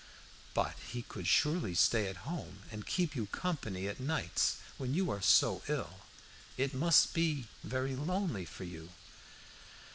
"But he could surely stay at home and keep you company at nights, when you are so ill. It must be very lonely for you."